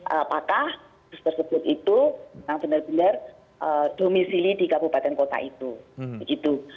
apakah kasus tersebut itu yang benar benar domisili di kabupaten kota itu begitu